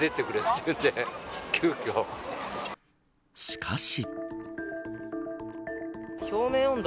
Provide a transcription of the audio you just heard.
しかし。